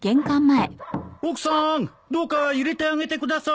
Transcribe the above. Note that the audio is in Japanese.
奥さんどうか入れてあげてください。